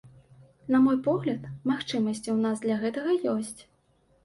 На мой погляд, магчымасці ў нас для гэтага ёсць.